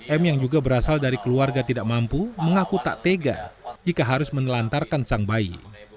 m yang juga berasal dari keluarga tidak mampu mengaku tak tega jika harus menelantarkan sang bayi